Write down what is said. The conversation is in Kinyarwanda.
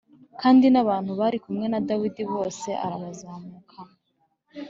Kandi n’abantu bari kumwe na Dawidi bose arabazamukana